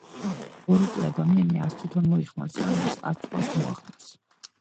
ბოროტი ადამიანი არც თვითონ მოიხმარს რამეს, არც სხვას მოახმარს